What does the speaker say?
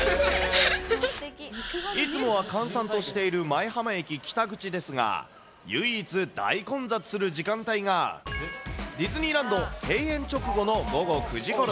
いつもは閑散としている舞浜駅北口ですが、唯一、大混雑する時間帯が、ディズニーランド閉園直後の午後９時ごろ。